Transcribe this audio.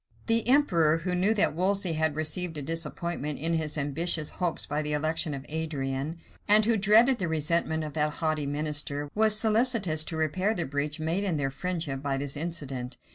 {1522.} The emperor, who knew that Wolsey had received a disappointment in his ambitious hopes by the election of Adrian, and who dreaded the resentment of that haughty minister, was solicitous to repair the breach made in their friendship by this incident.